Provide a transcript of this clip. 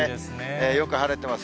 よく晴れてます。